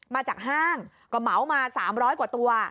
มาจากห้างก็เหมามา๓๐๐กว่าตัว